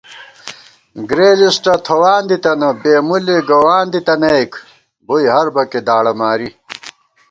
گۡرےلِسٹہ تھوان دِتَنہ بےمُلے گووان دِتَنَئیک، بُوئی ہر بَکےداڑہ ماری